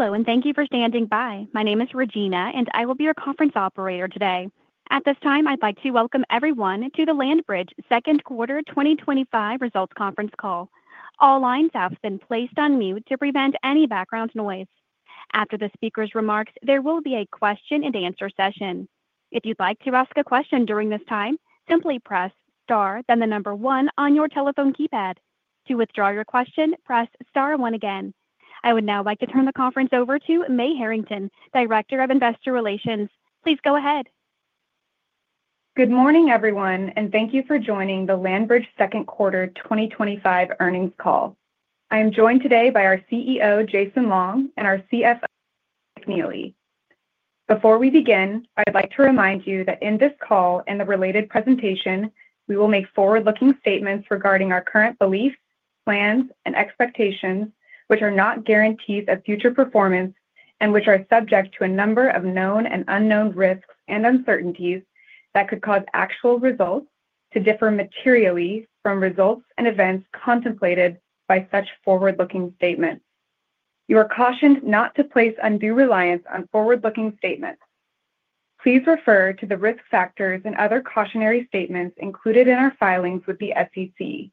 Hello, and thank you for standing by. My name is Regina, and I will be your conference operator today. At this time, I'd like to welcome everyone to the LandBridge Second Quarter 2025 Results Conference Call. All lines have been placed on mute to prevent any background noise. After the speaker's remarks, there will be a question and answer session. If you'd like to ask a question during this time, simply press star, then the number one on your telephone keypad. To withdraw your question, press star one again. I would now like to turn the conference over to Mae Harrington, Director of Investor Relations. Please go ahead. Good morning, everyone, and thank you for joining the LandBridge Second Quarter 2025 Earnings Call. I am joined today by our CEO, Jason Long, and our CFO, Scott McNeely. Before we begin, I'd like to remind you that in this call and the related presentation, we will make forward-looking statements regarding our current beliefs, plans, and expectations, which are not guarantees of future performance and which are subject to a number of known and unknown risks and uncertainties that could cause actual results to differ materially from results and events contemplated by such forward-looking statements. You are cautioned not to place undue reliance on forward-looking statements. Please refer to the risk factors and other cautionary statements included in our filings with the SEC.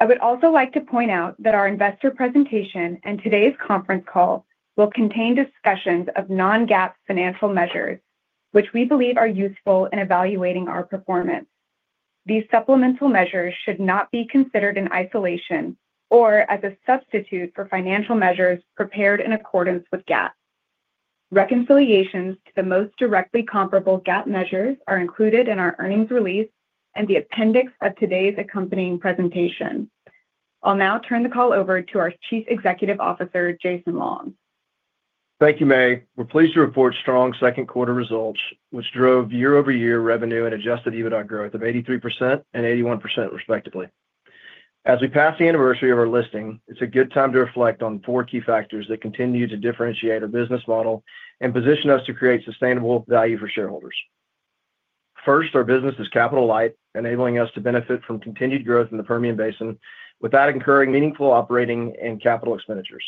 I would also like to point out that our investor presentation and today's conference call will contain discussions of non-GAAP financial measures, which we believe are useful in evaluating our performance. These supplemental measures should not be considered in isolation or as a substitute for financial measures prepared in accordance with GAAP. Reconciliations to the most directly comparable GAAP measures are included in our earnings release and the appendix of today's accompanying presentation. I'll now turn the call over to our Chief Executive Officer, Jason Long. Thank you, Mae. We're pleased to report strong second quarter results, which drove year-over-year revenue and Adjusted EBITDA growth of 83% and 81% respectively. As we pass the anniversary of our listing, it's a good time to reflect on four key factors that continue to differentiate our business model and position us to create sustainable value for shareholders. First, our business is capital light, enabling us to benefit from continued growth in the Permian Basin without incurring meaningful operating and capital expenditures.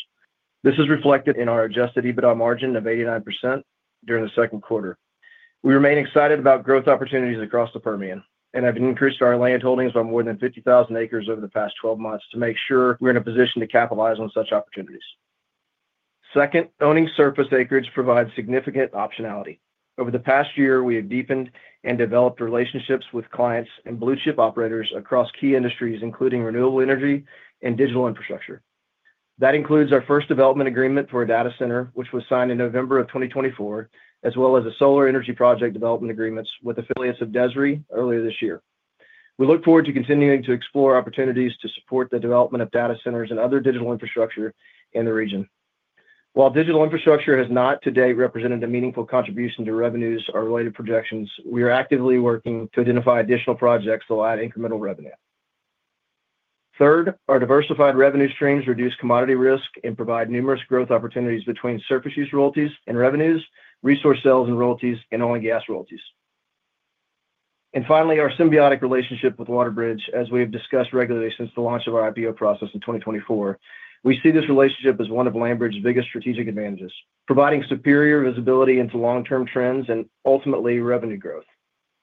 This is reflected in our Adjusted EBITDA margin of 89% during the second quarter. We remain excited about growth opportunities across the Permian, and I've increased our land holdings by more than 50,000 acres over the past 12 months to make sure we're in a position to capitalize on such opportunities. Second, owning surface acreage provides significant optionality. Over the past year, we have deepened and developed relationships with clients and blue chip operators across key industries, including renewable energy and digital infrastructure. That includes our first development agreement for a data center, which was signed in November of 2024, as well as the solar energy project development agreements with affiliates of DESRI earlier this year. We look forward to continuing to explore opportunities to support the development of data centers and other digital infrastructure in the region. While digital infrastructure has not to date represented a meaningful contribution to revenues or related projections, we are actively working to identify additional projects to allow incremental revenue. Third, our diversified revenue streams reduce commodity risk and provide numerous growth opportunities between surface use royalties and revenues, resource sales and royalties, and oil and gas royalties. Finally, our symbiotic relationship with WaterBridge, as we have discussed regularly since the launch of our IPO process in 2024, we see this relationship as one of LandBridge's biggest strategic advantages, providing superior visibility into long-term trends and ultimately revenue growth.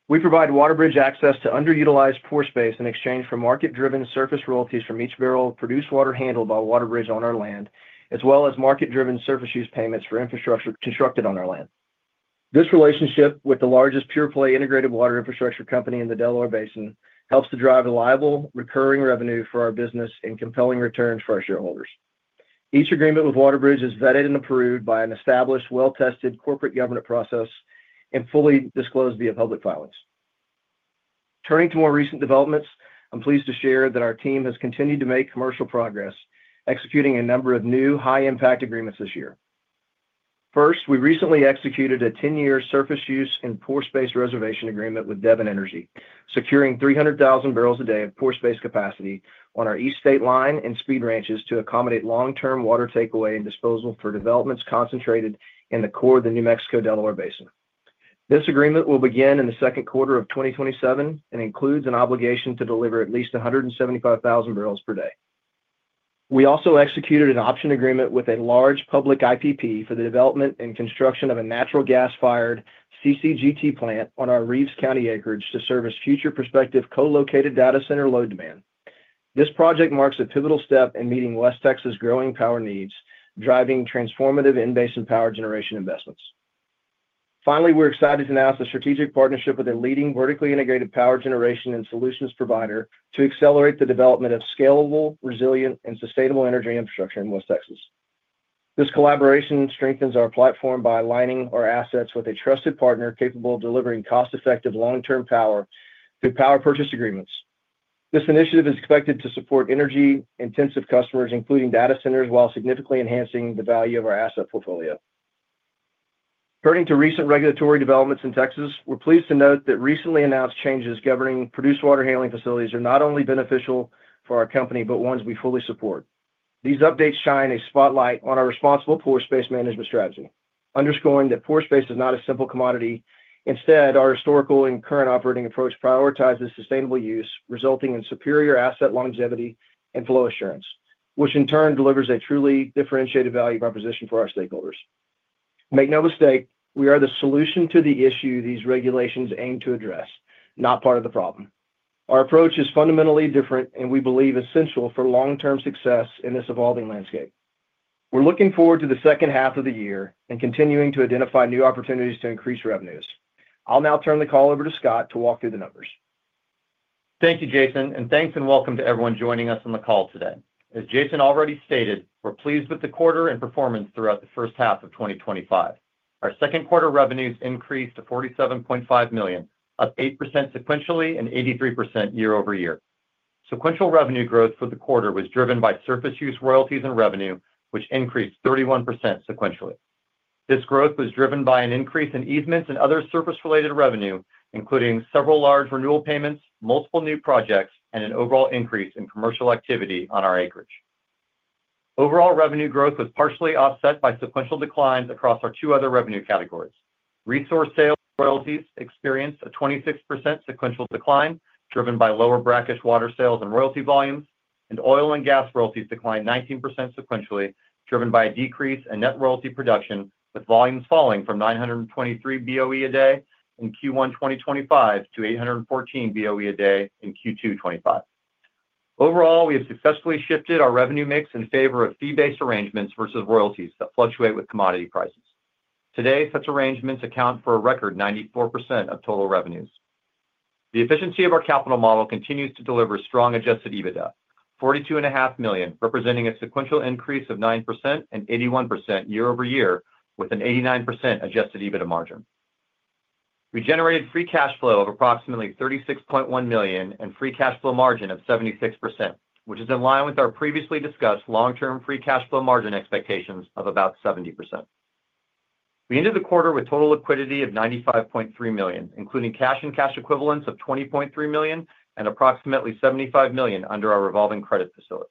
We provide WaterBridge access to underutilized pore space in exchange for market-driven surface royalties from each barrel of produced water handled by WaterBridge on our land, as well as market-driven surface use payments for infrastructure constructed on our land. This relationship with the largest pure-play integrated water infrastructure company in the Delaware Basin helps to drive reliable, recurring revenue for our business and compelling returns for our shareholders. Each agreement with WaterBridge is vetted and approved by an established, well-tested corporate governance process and fully disclosed via public filings. Turning to more recent developments, I'm pleased to share that our team has continued to make commercial progress, executing a number of new high-impact agreements this year. First, we recently executed a 10-year surface use and pore space reservation agreement with Devon Energy, securing 300,000 barrels a day of pore space capacity on our East Stateline and Speed Ranches to accommodate long-term water takeaway and disposal for developments concentrated in the core of the New Mexico Delaware Basin. This agreement will begin in the second quarter of 2027 and includes an obligation to deliver at least 175,000 barrels per day. We also executed an option agreement with a large public IPP for the development and construction of a natural gas-fired CCGT plant on our Reeves County acreage to service future prospective co-located data center load demand. This project marks a pivotal step in meeting West Texas' growing power needs, driving transformative in-basin power generation investments. Finally, we're excited to announce a strategic partnership with a leading vertically integrated power generation and solutions provider to accelerate the development of scalable, resilient, and sustainable energy infrastructure in West Texas. This collaboration strengthens our platform by aligning our assets with a trusted partner capable of delivering cost-effective long-term power through power purchase agreements. This initiative is expected to support energy-intensive customers, including data centers, while significantly enhancing the value of our asset portfolio. Turning to recent regulatory developments in Texas, we're pleased to note that recently announced changes governing produced water handling facilities are not only beneficial for our company, but ones we fully support. These updates shine a spotlight on our responsible pore space management strategy, underscoring that pore space is not a simple commodity. Instead, our historical and current operating approach prioritizes sustainable use, resulting in superior asset longevity and flow assurance, which in turn delivers a truly differentiated value proposition for our stakeholders. Make no mistake, we are the solution to the issue these regulations aim to address, not part of the problem. Our approach is fundamentally different, and we believe it's essential for long-term success in this evolving landscape. We're looking forward to the second half of the year and continuing to identify new opportunities to increase revenues. I'll now turn the call over to Scott to walk through the numbers. Thank you, Jason, and thanks and welcome to everyone joining us on the call today. As Jason already stated, we're pleased with the quarter and performance throughout the first half of 2025. Our second quarter revenues increased to $47.5 million, up 8% sequentially and 83% year-over-year. Sequential revenue growth for the quarter was driven by surface use royalties and revenue, which increased 31% sequentially. This growth was driven by an increase in easements and other surface-related revenue, including several large renewal payments, multiple new projects, and an overall increase in commercial activity on our acreage. Overall revenue growth was partially offset by sequential declines across our two other revenue categories. Resource sales and royalties experienced a 26% sequential decline, driven by lower brackish water sales and royalty volumes, and oil and gas royalties declined 19% sequentially, driven by a decrease in net royalty production, with volumes falling from 923 BOE a day in Q1 2025 to 814 BOE a day in Q2 2025. Overall, we have successfully shifted our revenue mix in favor of fee-based arrangements versus royalties that fluctuate with commodity prices. Today, such arrangements account for a record 94% of total revenues. The efficiency of our capital model continues to deliver strong Adjusted EBITDA, $42.5 million, representing a sequential increase of 9% and 81% year-over-year, with an 89% Adjusted EBITDA margin. We generated free cash flow of approximately $36.1 million and a free cash flow margin of 76%, which is in line with our previously discussed long-term free cash flow margin expectations of about 70%. We ended the quarter with total liquidity of $95.3 million, including cash and cash equivalents of $20.3 million and approximately $75 million under our revolving credit facility.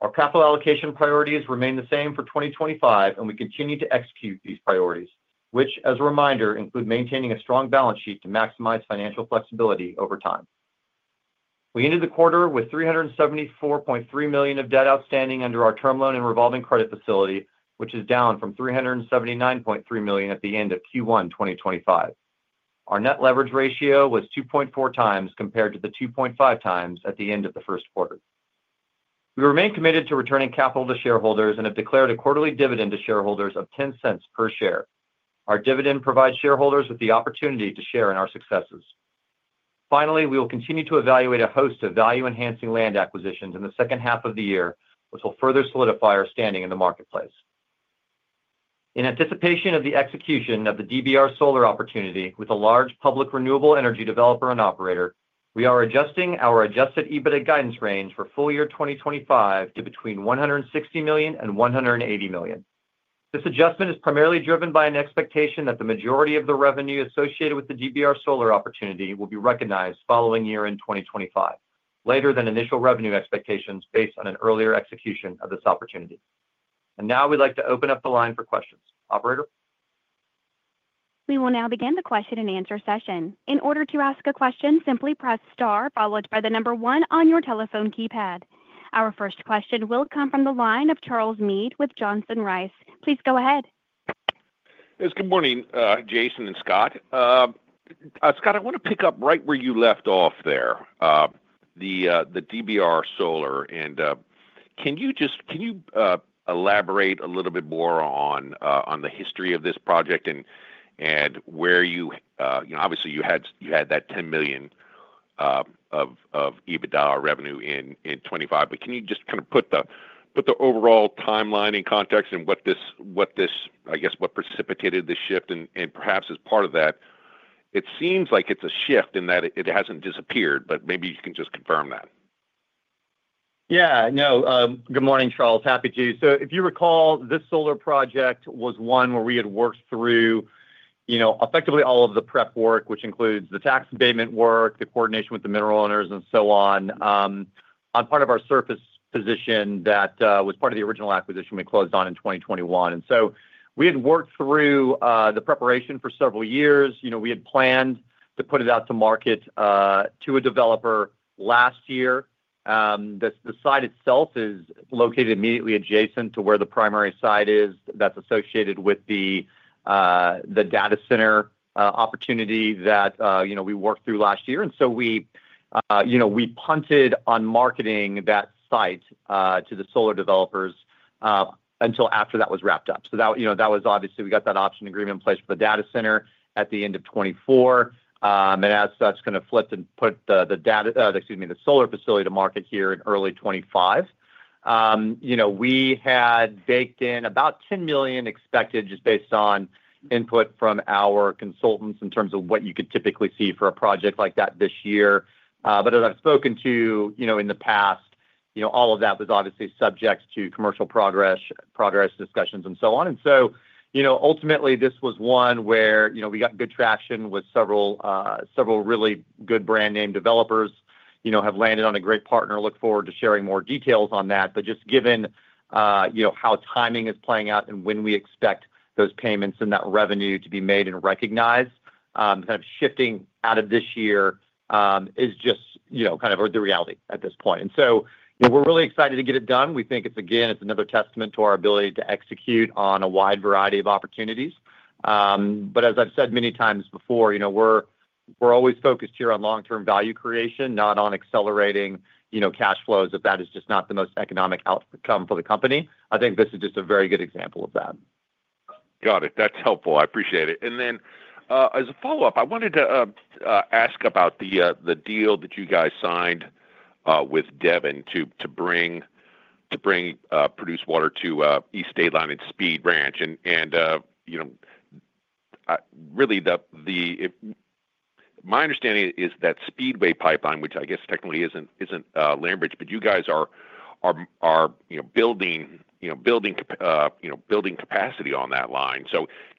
Our capital allocation priorities remain the same for 2025, and we continue to execute these priorities, which, as a reminder, include maintaining a strong balance sheet to maximize financial flexibility over time. We ended the quarter with $374.3 million of debt outstanding under our term loan and revolving credit facility, which is down from $379.3 million at the end of Q1 2025. Our net leverage ratio was 2.4 times compared to the 2.5 times at the end of the first quarter. We remain committed to returning capital to shareholders and have declared a quarterly dividend to shareholders of $0.10 per share. Our dividend provides shareholders with the opportunity to share in our successes. Finally, we will continue to evaluate a host of value-enhancing land acquisitions in the second half of the year, which will further solidify our standing in the marketplace. In anticipation of the execution of the DBR Solar opportunity with a large public renewable energy developer and operator, we are adjusting our Adjusted EBITDA guidance range for full year 2025 to between $160 million and $180 million. This adjustment is primarily driven by an expectation that the majority of the revenue associated with the DBR Solar opportunity will be recognized following year-end 2025, later than initial revenue expectations based on an earlier execution of this opportunity. We would like to open up the line for questions. Operator? We will now begin the question and answer session. In order to ask a question, simply press star followed by the number one on your telephone keypad. Our first question will come from the line of Charles Meade with Johnson Rice. Please go ahead. Good morning, Jason and Scott. Scott, I want to pick up right where you left off there, the DBR Solar. Can you just elaborate a little bit more on the history of this project and where you, you know, obviously you had that $10 million of EBITDA revenue in 2025, but can you just kind of put the overall timeline in context and what this, I guess, what precipitated the shift? Perhaps as part of that, it seems like it's a shift in that it hasn't disappeared, but maybe you can just confirm that. Yeah, no, good morning, Charles. Happy to. If you recall, this solar project was one where we had worked through all of the prep work, which includes the tax abatement work, the coordination with the mineral owners, and so on. I'm part of our surface position that was part of the original acquisition we closed on in 2021. We had worked through the preparation for several years. We had planned to put it out to market to a developer last year. The site itself is located immediately adjacent to where the primary site is that's associated with the data center opportunity that we worked through last year. We punted on marketing that site to the solar developers until after that was wrapped up. That was obviously we got that option agreement in place for the data center at the end of 2024. As such, kind of flipped and put the solar facility to market here in early 2025. We had baked in about $10 million expected just based on input from our consultants in terms of what you could typically see for a project like that this year. As I've spoken to in the past, all of that was obviously subject to commercial progress, progress discussions, and so on. Ultimately, this was one where we got good traction with several really good brand name developers. We have landed on a great partner. I look forward to sharing more details on that. Just given how timing is playing out and when we expect those payments and that revenue to be made and recognized, kind of shifting out of this year is just the reality at this point. We're really excited to get it done. We think it's, again, it's another testament to our ability to execute on a wide variety of opportunities. As I've said many times before, we're always focused here on long-term value creation, not on accelerating cash flows if that is just not the most economic outcome for the company. I think this is just a very good example of that. Got it. That's helpful. I appreciate it. As a follow-up, I wanted to ask about the deal that you guys signed with Devon to bring produced water to East Stateline and Speed Ranch. My understanding is that Speedway Pipeline, which I guess technically isn't LandBridge, but you guys are building capacity on that line.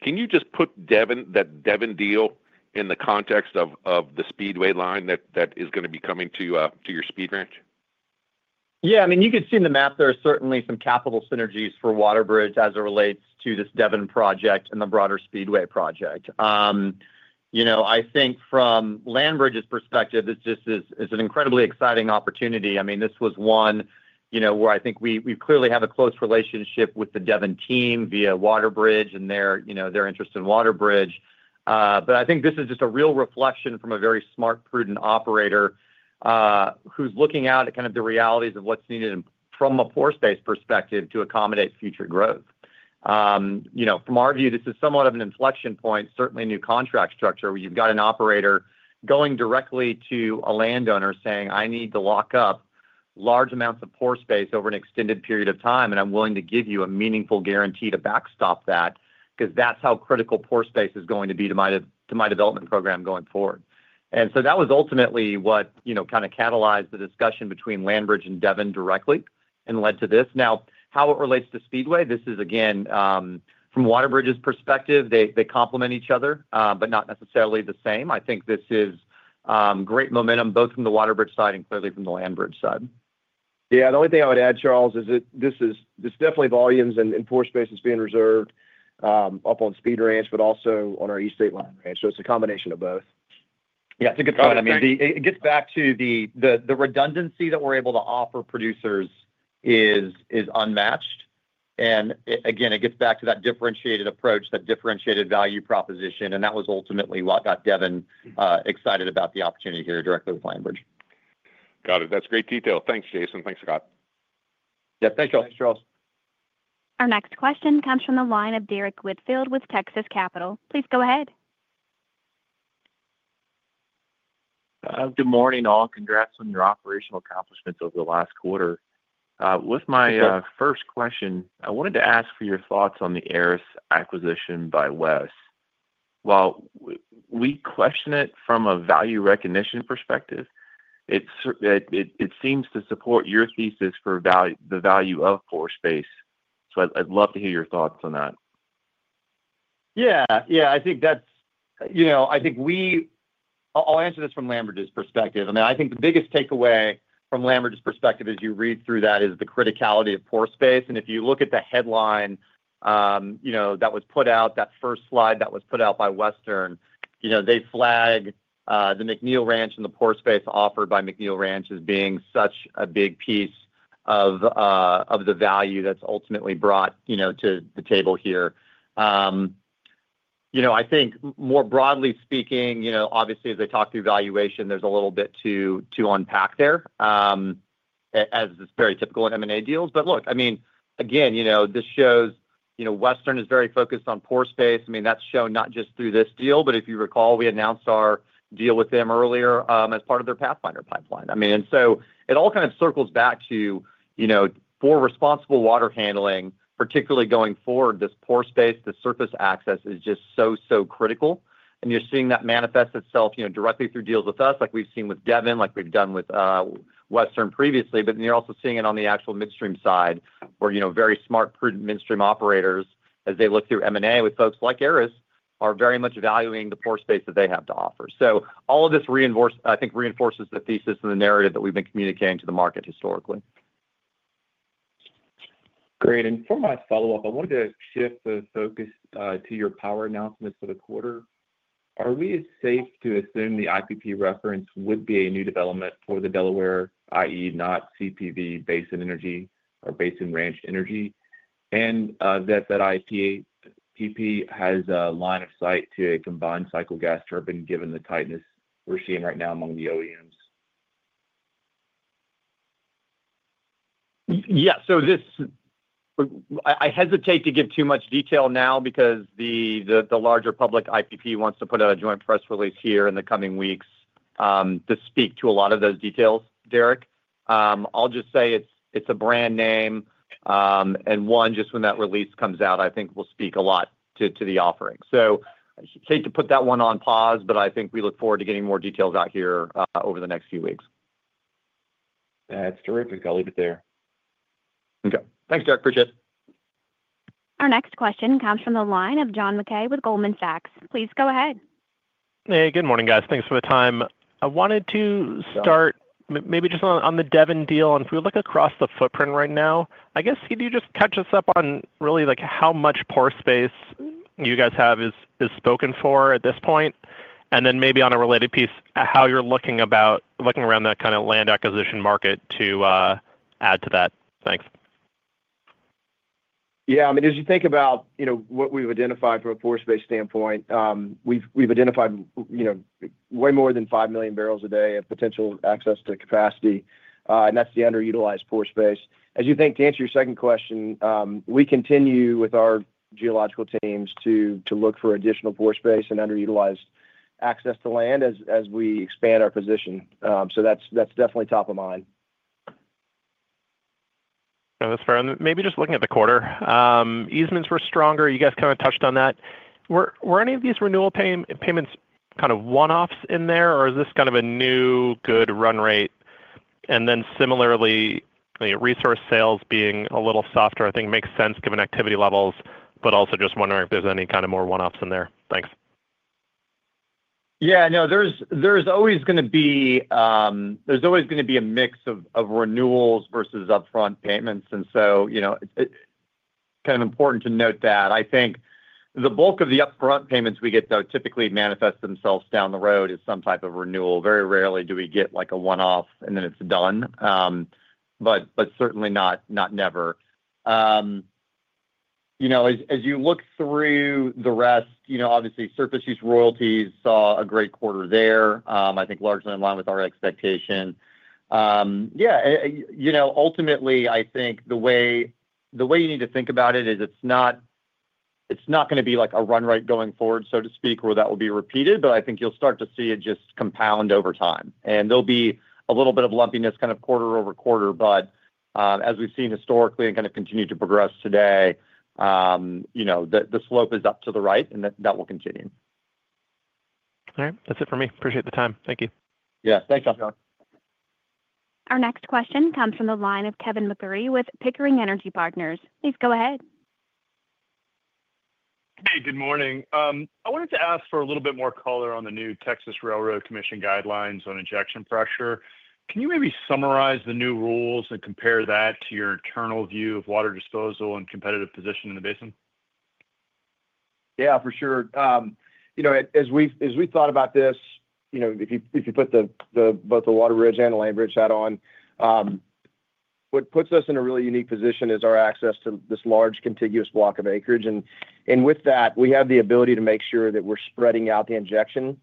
Can you just put that Devon deal in the context of the Speedway line that is going to be coming to your Speed Ranch? Yeah, I mean, you can see in the map, there are certainly some capital synergies for WaterBridge as it relates to this Devon project and the broader Speedway project. I think from LandBridge's perspective, this just is an incredibly exciting opportunity. This was one where I think we clearly have a close relationship with the Devon team via WaterBridge and their interest in WaterBridge. I think this is just a real reflection from a very smart, prudent operator who's looking out at the realities of what's needed from a pore space perspective to accommodate future growth. From our view, this is somewhat of an inflection point, certainly a new contract structure where you've got an operator going directly to a landowner saying, "I need to lock up large amounts of pore space over an extended period of time, and I'm willing to give you a meaningful guarantee to backstop that because that's how critical pore space is going to be to my development program going forward." That was ultimately what catalyzed the discussion between LandBridge and Devon directly and led to this. Now, how it relates to Speedway, this is, again, from WaterBridge's perspective, they complement each other, but not necessarily the same. I think this is great momentum both from the WaterBridge side and clearly from the LandBridge side. Yeah, the only thing I would add, Charles, is that this is definitely volumes and pore space that's being reserved up on Speed Ranch, but also on our East Stateline. It's a combination of both. Yeah, it's a good point. I mean, it gets back to the redundancy that we're able to offer producers is unmatched. It gets back to that differentiated approach, that differentiated value proposition. That was ultimately what got Devon excited about the opportunity here directly with LandBridge. Got it. That's great detail. Thanks, Jason. Thanks, Scott. Yeah, thanks, Charles. Thanks, Charles. Our next question comes from the line of Derrick Whitfield with Texas Capital. Please go ahead. Good morning all. Congrats on your operational accomplishments over the last quarter. With my first question, I wanted to ask for your thoughts on the Aris acquisition by WES. We question it from a value recognition perspective. It seems to support your thesis for the value of pore space. I'd love to hear your thoughts on that. I think that's, you know, I think we, I'll answer this from LandBridge's perspective. I think the biggest takeaway from LandBridge's perspective as you read through that is the criticality of pore space. If you look at the headline that was put out, that first slide that was put out by Western, they flag the McNeill Ranch and the pore space offered by McNeill Ranch as being such a big piece of the value that's ultimately brought to the table here. I think more broadly speaking, obviously, as they talk through valuation, there's a little bit to unpack there, as it's very typical in M&A deals. Look, I mean, again, this shows Western is very focused on pore space. That's shown not just through this deal, but if you recall, we announced our deal with them earlier as part of their Pathfinder pipeline. It all kind of circles back to, for responsible water handling, particularly going forward, this pore space, the surface access is just so, so critical. You're seeing that manifest itself directly through deals with us, like we've seen with Devon, like we've done with Western previously. You're also seeing it on the actual midstream side where very smart, prudent midstream operators, as they look through M&A with folks like Aris, are very much valuing the pore space that they have to offer. All of this, I think, reinforces the thesis and the narrative that we've been communicating to the market historically. Great. For my follow-up, I wanted to shift the focus to your power announcements for the quarter. Are we safe to assume the IPP reference would be a new development for the Delaware, i.e., not CPV Basin Energy or Basin Ranch Energy? That IPP has a line of sight to a combined cycle gas turbine, given the tightness we're seeing right now among the OEMs? Yeah, I hesitate to give too much detail now because the larger public IPP wants to put out a joint press release here in the coming weeks to speak to a lot of those details, Derrick. I'll just say it's a brand name, and when that release comes out, I think it will speak a lot to the offering. I hate to put that one on pause, but I think we look forward to getting more details out here over the next few weeks. That's terrific. I'll leave it there. Okay, thanks, Derrick. Appreciate it. Our next question comes from the line of John Mackay with Goldman Sachs. Please go ahead. Hey, good morning, guys. Thanks for the time. I wanted to start maybe just on the Devon deal. If we look across the footprint right now, could you just catch us up on really like how much pore space you guys have is spoken for at this point? Maybe on a related piece, how you're looking about looking around that kind of land acquisition market to add to that. Thanks. Yeah, I mean, as you think about what we've identified from a pore space standpoint, we've identified way more than 5 million barrels a day of potential access to capacity. That's the underutilized pore space. As you think to answer your second question, we continue with our geological teams to look for additional pore space and underutilized access to land as we expand our position. That's definitely top of mind. That's fair. Maybe just looking at the quarter, easements were stronger. You guys kind of touched on that. Were any of these renewal payments kind of one-offs in there, or is this kind of a new good run rate? Similarly, resource sales being a little softer, I think makes sense given activity levels, but also just wondering if there's any kind of more one-offs in there. Thanks. Yeah, no, there's always going to be, there's always going to be a mix of renewals versus upfront payments. It's kind of important to note that. I think the bulk of the upfront payments we get, though, typically manifest themselves down the road as some type of renewal. Very rarely do we get like a one-off and then it's done. Certainly not never. As you look through the rest, obviously surface use royalties saw a great quarter there. I think largely in line with our expectation. Ultimately, I think the way you need to think about it is it's not going to be like a run rate going forward, so to speak, where that will be repeated, but I think you'll start to see it just compound over time. There'll be a little bit of lumpiness kind of quarter over quarter, but as we've seen historically and kind of continue to progress today, the slope is up to the right and that will continue. All right. That's it for me. Appreciate the time. Thank you. Yeah, thanks, Jason. Our next question comes from the line of Kevin MacCurdy with Pickering Energy Partners. Please go ahead. Hey, good morning. I wanted to ask for a little bit more color on the new Texas Railroad Commission guidelines on injection pressure. Can you maybe summarize the new rules and compare that to your internal view of water disposal and competitive position in the basin? Yeah, for sure. As we've thought about this, if you put both the WaterBridge and the LandBridge hat on, what puts us in a really unique position is our access to this large contiguous block of acreage. With that, we have the ability to make sure that we're spreading out the injection.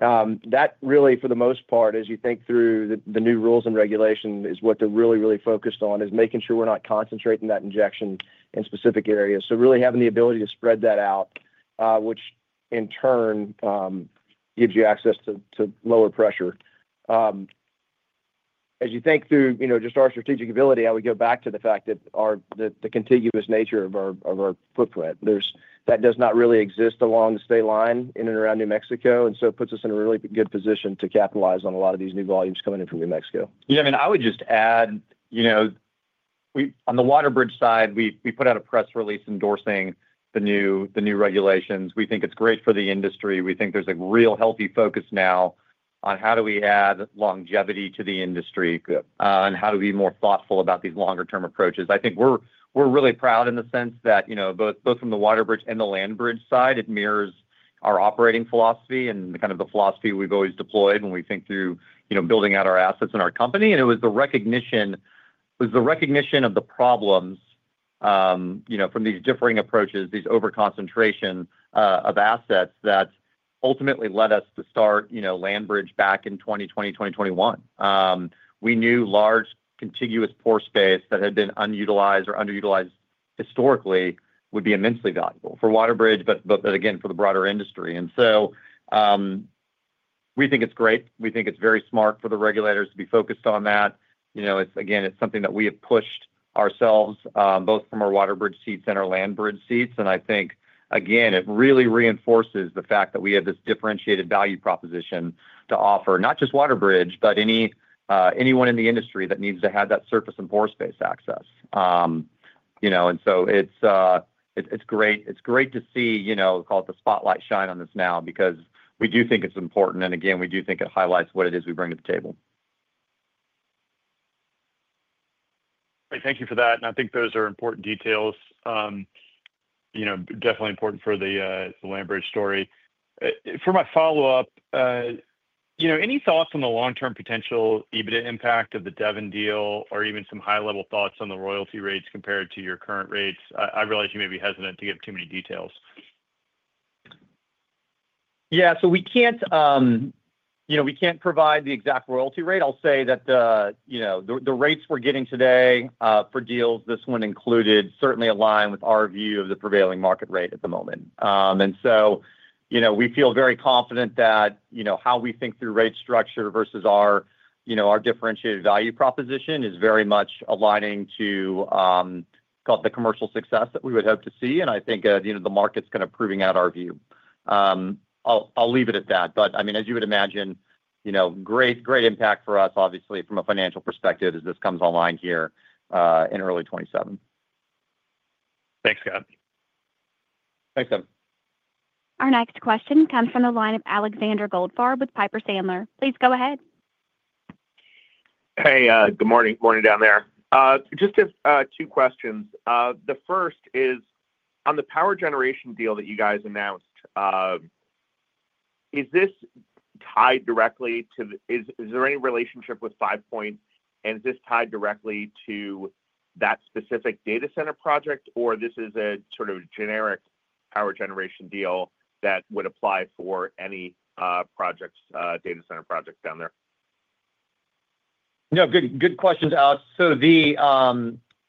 That really, for the most part, as you think through the new rules and regulations, is what they're really, really focused on, making sure we're not concentrating that injection in specific areas. Really having the ability to spread that out, which in turn gives you access to lower pressure. As you think through just our strategic ability, I would go back to the fact that the contiguous nature of our footprint does not really exist along the state line in and around New Mexico. It puts us in a really good position to capitalize on a lot of these new volumes coming in from New Mexico. I would just add, on the WaterBridge side, we put out a press release endorsing the new regulations. We think it's great for the industry. We think there's a real healthy focus now on how do we add longevity to the industry and how to be more thoughtful about these longer-term approaches. I think we're really proud in the sense that both from the WaterBridge and the LandBridge side, it mirrors our operating philosophy and the philosophy we've always deployed when we think through building out our assets in our company. It was the recognition of the problems from these differing approaches, these over-concentration of assets, that ultimately led us to start LandBridge back in 2020, 2021. We knew large contiguous pore space that had been unutilized or underutilized historically would be immensely valuable for WaterBridge, but again, for the broader industry. We think it's great. We think it's very smart for the regulators to be focused on that. It's something that we have pushed ourselves, both from our WaterBridge seats and our LandBridge seats. I think it really reinforces the fact that we have this differentiated value proposition to offer not just WaterBridge, but anyone in the industry that needs to have that surface and pore space access. It's great to see the spotlight shine on this now because we do think it's important. We do think it highlights what it is we bring to the table. All right. Thank you for that. I think those are important details. Definitely important for the LandBridge story. For my follow-up, any thoughts on the long-term potential EBITDA impact of the Devon deal or even some high-level thoughts on the royalty rates compared to your current rates? I realize you may be hesitant to give too many details. Yeah, we can't provide the exact royalty rate. I'll say that the rates we're getting today for deals, this one included, certainly align with our view of the prevailing market rate at the moment. We feel very confident that how we think through rate structure versus our differentiated value proposition is very much aligning to, call it, the commercial success that we would hope to see. I think the market's kind of proving out our view. I'll leave it at that. I mean, as you would imagine, great impact for us, obviously, from a financial perspective as this comes online here in early 2027. Thanks, Scott. Thanks, Kev. Our next question comes from the line of Alexander Goldfarb with Piper Sandler. Please go ahead. Hey, good morning. Morning down there. Just have two questions. The first is on the power generation deal that you guys announced, is this tied directly to, is there any relationship with Five Point, and is this tied directly to that specific data center project, or this is a sort of generic power generation deal that would apply for any projects, data center projects down there? No, good questions, Alex.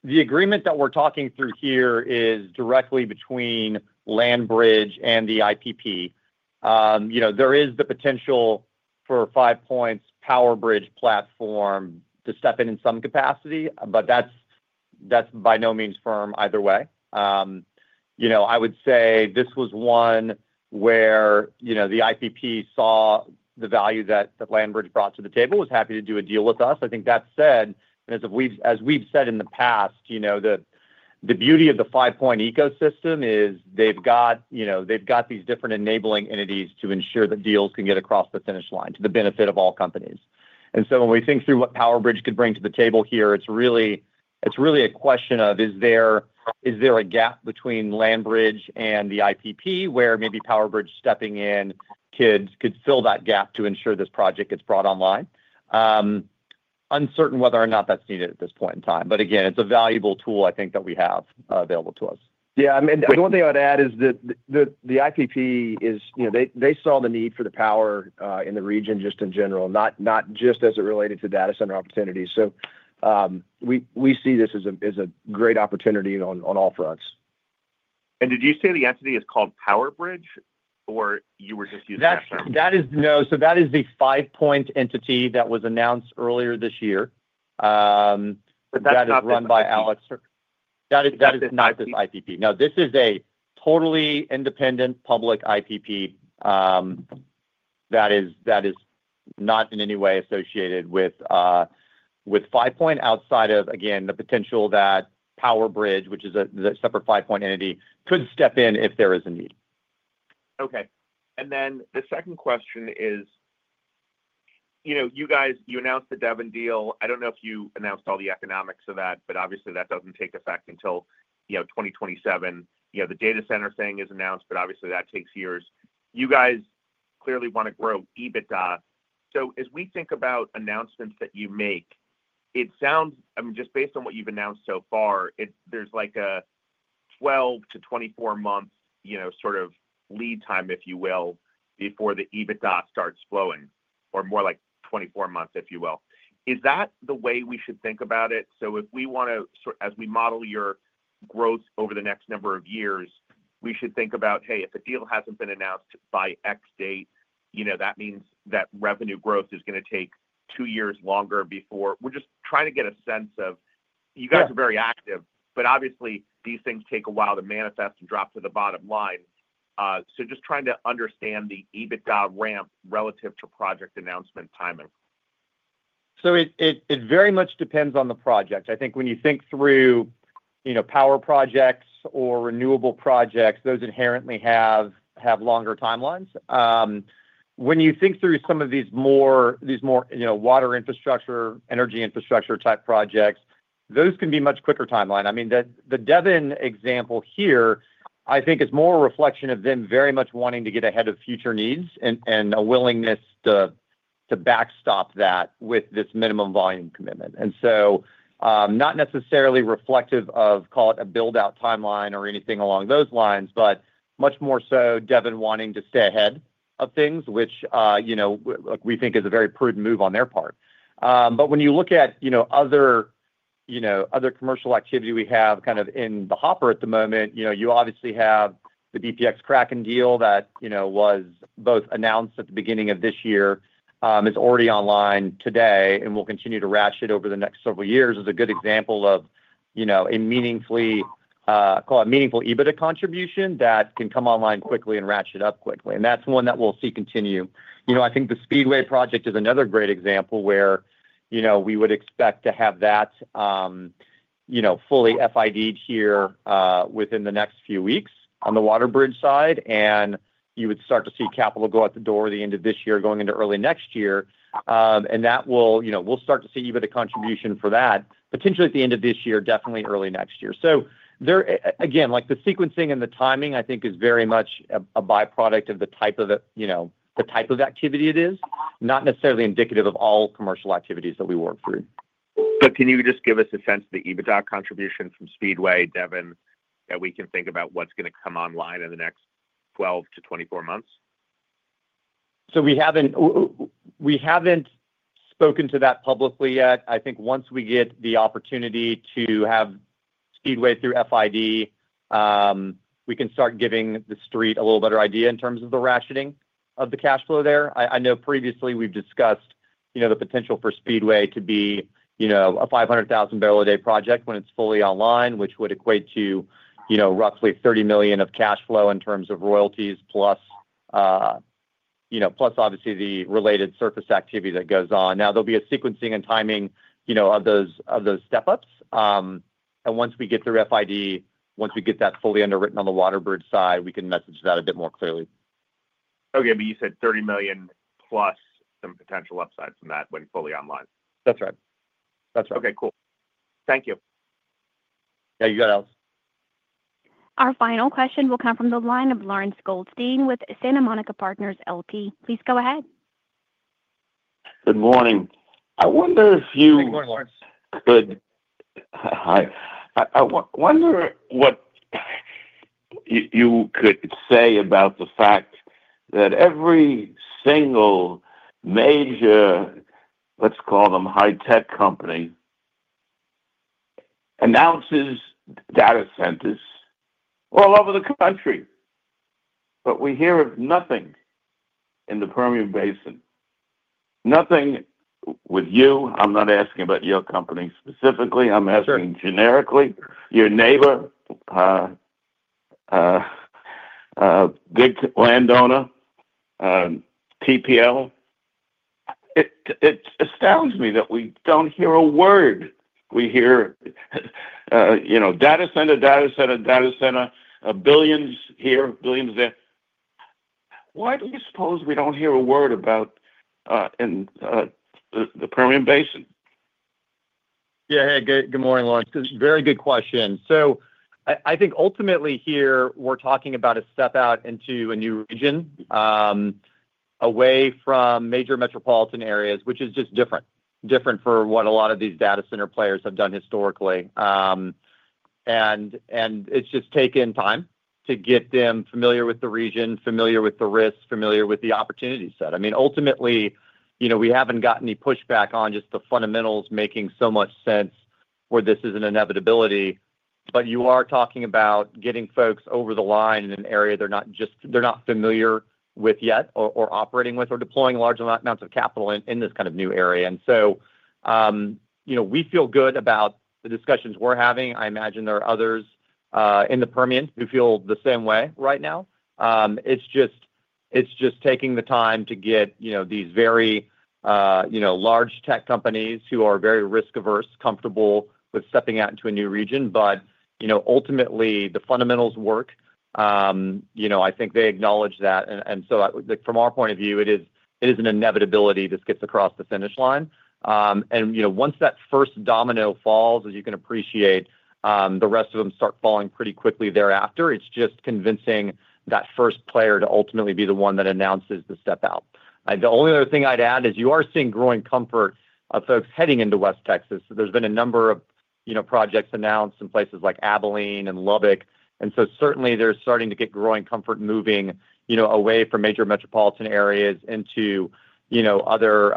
The agreement that we're talking through here is directly between LandBridge and the IPP. There is the potential for Five Point's PowerBridge platform to step in in some capacity, but that's by no means firm either way. I would say this was one where the IPP saw the value that LandBridge brought to the table, was happy to do a deal with us. I think that said, and as we've said in the past, the beauty of the Five Point ecosystem is they've got these different enabling entities to ensure that deals can get across the finish line to the benefit of all companies. When we think through what PowerBridge could bring to the table here, it's really a question of, is there a gap between LandBridge and the IPP where maybe PowerBridge stepping in could fill that gap to ensure this project gets brought online? Uncertain whether or not that's needed at this point in time. Again, it's a valuable tool, I think, that we have available to us. Yeah. The one thing I would add is that the IPP is, they saw the need for the power in the region just in general, not just as it related to data center opportunities. We see this as a great opportunity on all fronts. Did you say the entity is called PowerBridge, or you were just using that term? No, so that is the Five Point entity that was announced earlier this year. That is run by Alex. That is not this IPP. No, this is a totally independent public IPP. That is not in any way associated with Five Point outside of, again, the potential that PowerBridge, which is a separate Five Point entity, could step in if there is a need. Okay. The second question is, you know, you guys, you announced the Devon deal. I don't know if you announced all the economics of that, but obviously, that doesn't take effect until 2027. The data center thing is announced, but obviously, that takes years. You guys clearly want to grow EBITDA. As we think about announcements that you make, it sounds, I mean, just based on what you've announced so far, there's like a 12-24 month, you know, sort of lead time, if you will, before the EBITDA starts flowing, or more like 24 months, if you will. Is that the way we should think about it? If we want to, as we model your growth over the next number of years, we should think about, hey, if a deal hasn't been announced by x date, that means that revenue growth is going to take two years longer before. We're just trying to get a sense of, you guys are very active, but obviously, these things take a while to manifest and drop to the bottom line. Just trying to understand the EBITDA ramp relative to project announcement timing. It very much depends on the project. I think when you think through power projects or renewable projects, those inherently have longer timelines. When you think through some of these more water infrastructure, energy infrastructure type projects, those can be much quicker timelines. I mean, the Devon example here, I think it's more a reflection of them very much wanting to get ahead of future needs and a willingness to backstop that with this minimum volume commitment. It is not necessarily reflective of, call it, a build-out timeline or anything along those lines, but much more so Devon wanting to stay ahead of things, which we think is a very prudent move on their part. When you look at other commercial activity we have kind of in the hopper at the moment, you obviously have the BPX Kraken deal that was both announced at the beginning of this year, is already online today and will continue to ratchet over the next several years as a good example of a meaningful EBITDA contribution that can come online quickly and ratchet up quickly. That's one that we'll see continue. I think the Speedway project is another great example where we would expect to have that fully FID-ed here within the next few weeks on the WaterBridge side. You would start to see capital go out the door at the end of this year, going into early next year. That will start to see EBITDA contribution for that potentially at the end of this year, definitely early next year. There, again, the sequencing and the timing, I think, is very much a byproduct of the type of activity it is, not necessarily indicative of all commercial activities that we work through. Can you just give us a sense of the EBITDA contribution from Speedway, Devon, that we can think about what's going to come online in the next 12-24 months? We haven't spoken to that publicly yet. I think once we get the opportunity to have Speedway through FID, we can start giving the Street a little better idea in terms of the ratcheting of the cash flow there. I know previously we've discussed the potential for Speedway to be a 500,000 barrel a day project when it's fully online, which would equate to roughly $30 million of cash flow in terms of royalties, plus obviously the related surface activity that goes on. There'll be a sequencing and timing of those step-ups. Once we get through FID, once we get that fully underwritten on the WaterBridge side, we can message that a bit more clearly. Okay, you said $30 million plus some potential upsides from that when fully online. That's right. That's right. Okay, cool. Thank you. Yeah, you got it, Alexander. Our final question will come from the line of Lawrence Goldstein with Santa Monica Partners LP. Please go ahead. Good morning. I wonder if you. Good morning, Lawrence. Hi. I wonder what you could say about the fact that every single major, let's call them high-tech company, announces data centers all over the country, but we hear of nothing in the Permian Basin. Nothing with you. I'm not asking about your company specifically. I'm asking generically, your neighbor, big landowner, TPL. It astounds me that we don't hear a word. We hear, you know, data center, data center, data center, billions here, billions there. Why do you suppose we don't hear a word about the Permian Basin? Yeah, hey, good morning, Lawrence. It's a very good question. I think ultimately here, we're talking about a step out into a new region, away from major metropolitan areas, which is just different, different for what a lot of these data center players have done historically. It's just taken time to get them familiar with the region, familiar with the risks, familiar with the opportunities set. Ultimately, we haven't gotten any pushback on just the fundamentals making so much sense where this is an inevitability. You are talking about getting folks over the line in an area they're not just, they're not familiar with yet or operating with or deploying large amounts of capital in this kind of new area. We feel good about the discussions we're having. I imagine there are others in the Permian who feel the same way right now. It's just taking the time to get these very large tech companies who are very risk-averse, comfortable with stepping out into a new region. Ultimately, the fundamentals work. I think they acknowledge that. From our point of view, it is an inevitability this gets across the finish line. Once that first domino falls, as you can appreciate, the rest of them start falling pretty quickly thereafter. It's just convincing that first player to ultimately be the one that announces the step out. The only other thing I'd add is you are seeing growing comfort of folks heading into West Texas. There's been a number of projects announced in places like Abilene and Lubbock. Certainly, they're starting to get growing comfort moving away from major metropolitan areas into other,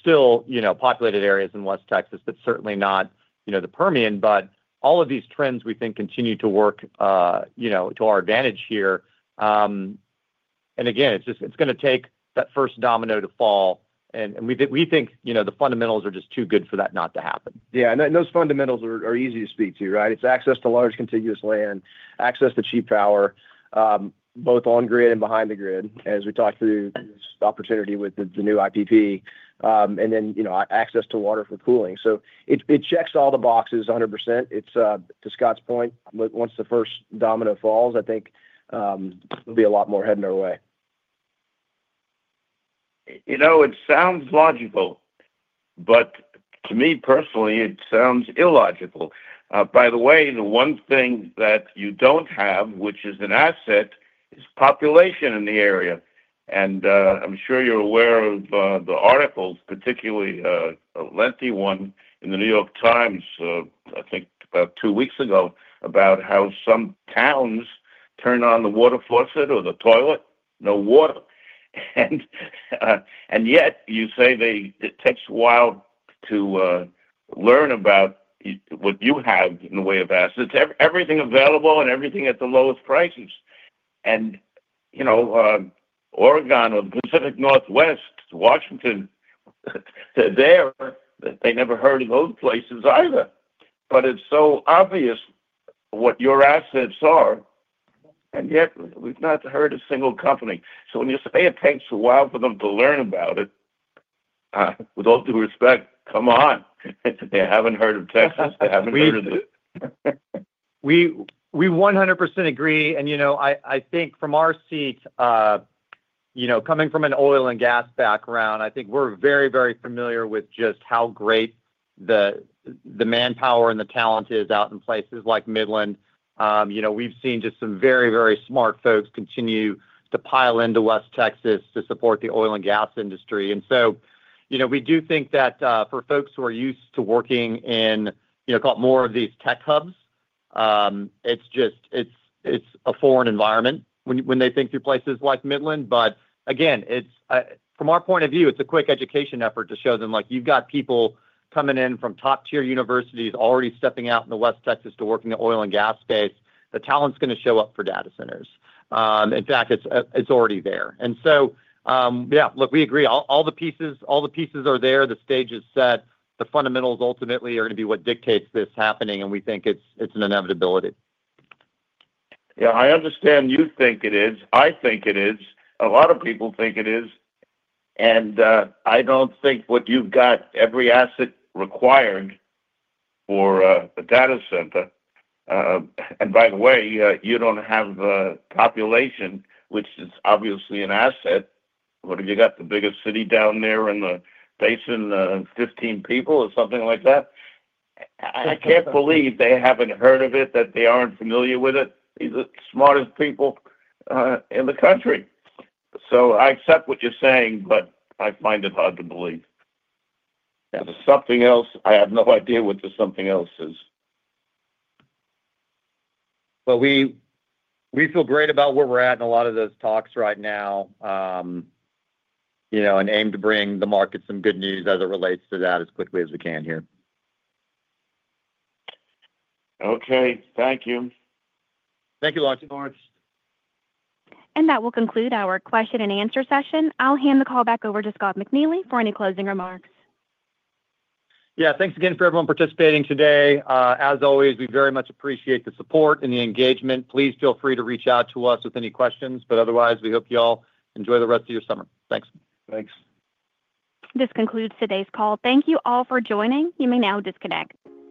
still populated areas in West Texas, but certainly not the Permian. All of these trends, we think, continue to work to our advantage here. Again, it's just going to take that first domino to fall. We think the fundamentals are just too good for that not to happen. Yeah, and those fundamentals are easy to speak to, right? It's access to large contiguous land, access to cheap power, both on grid and behind the grid, as we talked through this opportunity with the new IPP, and then, you know, access to water for cooling. It checks all the boxes 100%. It's to Scott's point, once the first domino falls, I think there'll be a lot more heading our way. You know, it sounds logical, but to me personally, it sounds illogical. By the way, the one thing that you don't have, which is an asset, is population in the area. I'm sure you're aware of the articles, particularly a lengthy one in The New York Times, I think about two weeks ago, about how some towns turned on the water faucet or the toilet, no water. Yet, you say it takes a while to learn about what you have in the way of assets, everything available and everything at the lowest prices. You know, Oregon or the Pacific Northwest, Washington, they never heard of those places either. It's so obvious what your assets are, yet we've not heard a single company. When you say it takes a while for them to learn about it, with all due respect, come on. They haven't heard of Texas. They haven't heard of this. We 100% agree. I think from our seat, coming from an oil and gas background, we're very, very familiar with just how great the manpower and the talent is out in places like Midland. We've seen just some very, very smart folks continue to pile into West Texas to support the oil and gas industry. We do think that for folks who are used to working in, call it more of these tech hubs, it's just a foreign environment when they think through places like Midland. Again, from our point of view, it's a quick education effort to show them you've got people coming in from top-tier universities already stepping out into West Texas to work in the oil and gas space. The talent's going to show up for data centers. In fact, it's already there. Yeah, look, we agree. All the pieces are there. The stage is set. The fundamentals ultimately are going to be what dictate this happening, and we think it's an inevitability. Yeah, I understand you think it is. I think it is. A lot of people think it is. I don't think you've got every asset required for a data center. By the way, you don't have a population, which is obviously an asset. What have you got? The biggest city down there in the basin, 15 people or something like that? I can't believe they haven't heard of it, that they aren't familiar with it. These are the smartest people in the country. I accept what you're saying, but I find it hard to believe. There's something else. I have no idea what this something else is. We feel great about where we're at in a lot of those talks right now, you know, and aim to bring the market some good news as it relates to that as quickly as we can here. Okay, thank you. Thank you, Lawrence. That will conclude our question and answer session. I'll hand the call back over to Scott McNeely for any closing remarks. Yeah, thanks again for everyone participating today. As always, we very much appreciate the support and the engagement. Please feel free to reach out to us with any questions. Otherwise, we hope you all enjoy the rest of your summer. Thanks. Thanks. This concludes today's call. Thank you all for joining. You may now disconnect.